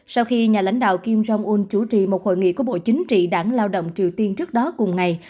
sau khi nhà lãnh đạo kim jong un chủ trì một hội nghị của bộ chính trị đảng lao động triều tiên trước đó cùng ngày